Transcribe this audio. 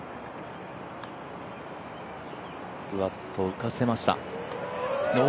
ふわっと浮かせました。